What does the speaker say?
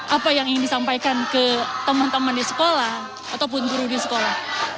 apa yang ingin disampaikan ke teman teman di sekolah ataupun guru di sekolah